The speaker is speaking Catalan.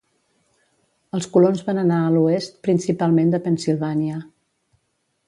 Els colons van anar a l'oest principalment de Pennsilvània.